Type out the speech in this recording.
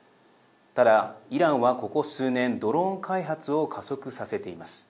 ただ、イランは、ここ数年ドローン開発を加速させています。